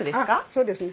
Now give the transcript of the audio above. そうですね。